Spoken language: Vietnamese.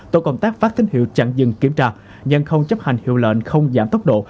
tổ công tác phát tín hiệu chặn dừng kiểm tra nhưng không chấp hành hiệu lệnh không giảm tốc độ